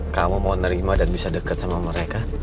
kamu mau nerima dan bisa dekat sama mereka